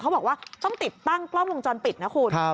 เขาบอกว่าต้องติดตั้งกล้องวงจรปิดนะคุณ